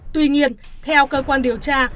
tuy nhiên theo cơ quan điều tra